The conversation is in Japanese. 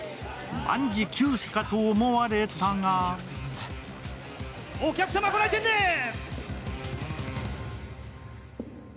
万事休すかと思われたがお客様、ご来店です！